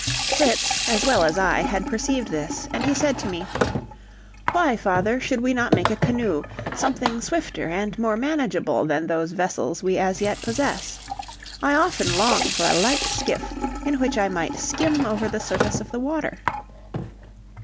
Fritz, as well as I, had perceived this, and he said to me: "Why, father, should we not make a canoe, something swifter and more manageable than those vessels we as yet possess? I often long for a light skiff, in which I might skim over the surface of the water."